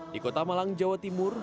di kota malang jawa timur